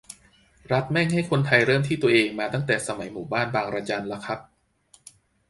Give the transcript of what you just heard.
"รัฐแม่งให้คนไทยเริ่มที่ตัวเองมาตั้งแต่สมัยหมู่บ้านบางระจันละครับ"